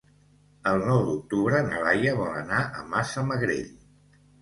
El nou d'octubre na Laia vol anar a Massamagrell.